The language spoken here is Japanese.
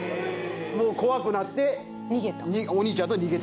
怖くなってお兄ちゃんと逃げて帰った。